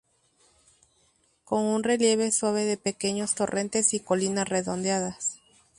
Con un relieve suave de pequeños torrentes y colinas redondeadas.